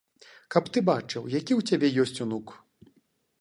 Каб ты бачыў, які ў цябе ёсць унук!